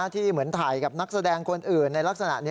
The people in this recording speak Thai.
ที่เหมือนถ่ายกับนักแสดงคนอื่นในลักษณะนี้